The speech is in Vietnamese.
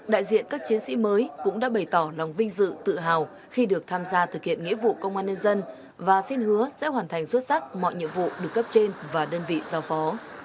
đại diện các chiến sĩ mới cũng đã bày tỏ lòng vinh dự tự hào khi được tham gia thực hiện nghĩa vụ công an nhân dân và xin hứa sẽ hoàn thành xuất sắc mọi nhiệm vụ được cấp trên và đơn vị giao phó